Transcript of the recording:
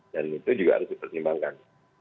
dan itu juga harus dipertimbangkan